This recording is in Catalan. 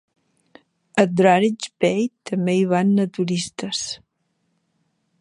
A Druridge Bay també hi van naturistes.